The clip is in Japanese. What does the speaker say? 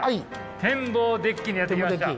天望デッキにやって来ました。